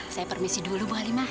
saya permisi dulu bu halimah